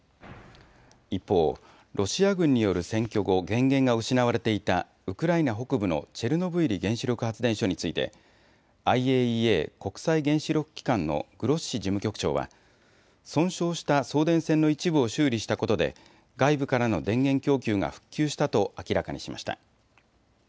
一方、ロシア軍による占拠後、電源が失われていたウクライナ北部のチェルノブイリ原子力発電所についてＩＡＥＡ・国際原子力機関のグロッシ事務局長は損傷した送電線の一部を修理したことで外部からの電源供給が復旧したと明らかにしました。